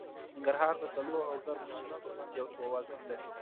ننګرهار د سړو او ګرمو سیمو تر منځ یو توازن لري.